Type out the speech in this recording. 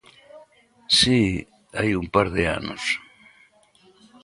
Si, hai un par de anos.